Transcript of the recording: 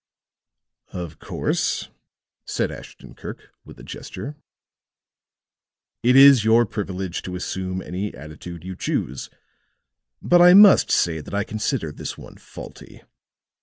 "Of course," said Ashton Kirk, with a gesture, "it is your privilege to assume any attitude you choose; but I must say that I consider this one faulty.